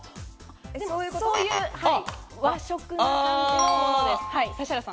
そういう和食な感じのものです。